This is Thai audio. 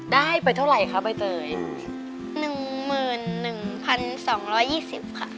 ได้ไปเท่าไรคะใบเตยหนึ่งหมื่นหนึ่งพันสองร้อยยี่สิบค่ะ